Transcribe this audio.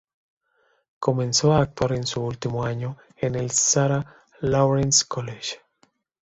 Comenzó a actuar en su último año en el Sarah Lawrence College.